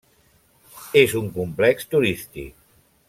És un complex turístic.